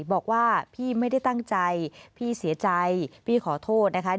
บอกว่าพี่ไม่ได้ตั้งใจพี่เสียใจพี่ขอโทษนะคะ